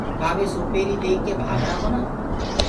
ڪآ وي سوپيري ديک ڪي ڀآگرآ ڪونآ۔